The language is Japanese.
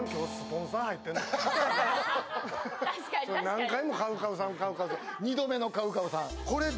何回もＣＯＷＣＯＷさん、ＣＯＷＣＯＷさん、２度目のＣＯＷＣＯＷさん。